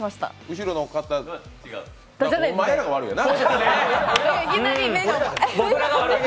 後ろの方お前らが悪いよな。